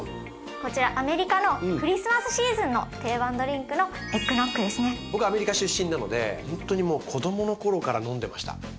こちらアメリカのクリスマスシーズンの定番ドリンクの僕アメリカ出身なのでほんとにもう子供の頃から飲んでました。